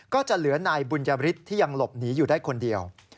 ก็จะเหลือนายบุญยฤทธิ์ที่ยังหลบหนีอยู่ได้คนเดียว